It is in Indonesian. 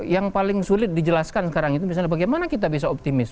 yang paling sulit dijelaskan sekarang itu misalnya bagaimana kita bisa optimis